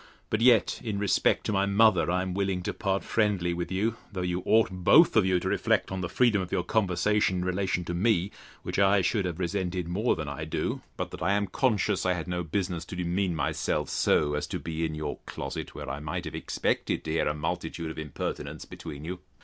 But yet, in respect to my mother, I am willing to part friendly with you though you ought both of you to reflect on the freedom of your conversation, in relation to me; which I should have resented more than I do, but that I am conscious I had no business to demean myself so as to be in your closet, where I might have expected to hear a multitude of impertinence between you.